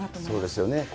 そうですよね。